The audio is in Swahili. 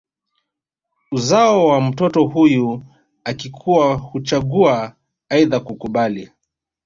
Uzao wa mtoto huyu akikua huchagua aidha kukubali